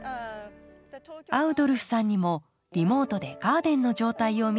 アウドルフさんにもリモートでガーデンの状態を見てもらいます。